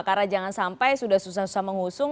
karena jangan sampai sudah susah susah mengusung